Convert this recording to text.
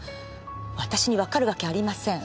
私にわかるわけがありません。